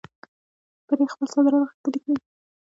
پرې خپل صادرات غښتلي کړي.